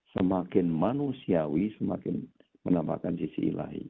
semakin manusiawi semakin menambahkan sisi lain